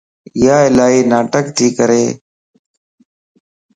ايا الائي ناٽڪ تي ڪري